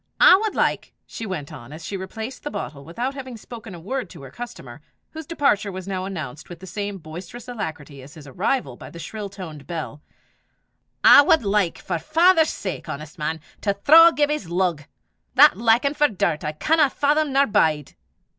"I wad like," she went on, as she replaced the bottle without having spoken a word to her customer, whose departure was now announced with the same boisterous alacrity as his arrival by the shrill toned bell "I wad like, for 'is father's sake, honest man! to thraw Gibbie's lug. That likin' for dirt I canna fathom nor bide."